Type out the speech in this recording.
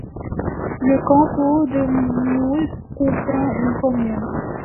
Le canton du Moule comprend une commune.